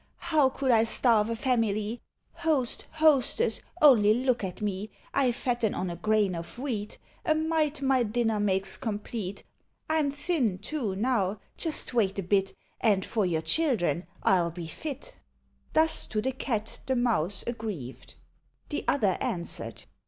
How could I starve a family? Host, hostess, only look at me; I fatten on a grain of wheat: A mite my dinner makes complete. I'm thin, too, now; just wait a bit, And for your children I'll be fit." Thus to the Cat the Mouse, aggrieved; The other answered.